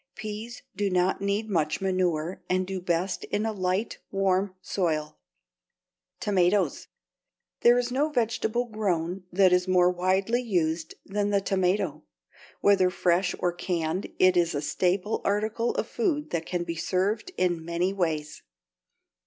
Peas do not need much manure and do best in a light, warm soil. =Tomatoes.= There is no vegetable grown that is more widely used than the tomato. Whether fresh or canned it is a staple article of food that can be served in many ways.